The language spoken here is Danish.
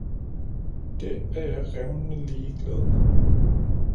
Det er jeg revnende ligeglad med.